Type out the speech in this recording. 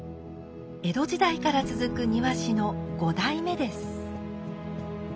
江戸時代から続く庭師の五代目です。